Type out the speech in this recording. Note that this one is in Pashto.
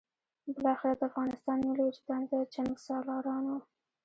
بالاخره د افغانستان ملي وجدان ته د جنګسالارانو.